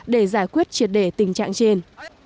để giải quyết triệt để tình trạng trên